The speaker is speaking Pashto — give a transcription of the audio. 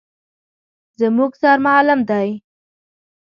_زموږ سر معلم دی.